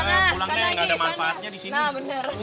pulangnya gak ada manfaatnya di sini